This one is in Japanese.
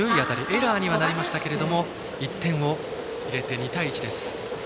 エラーにはなりましたけども１点を入れて、２対１です。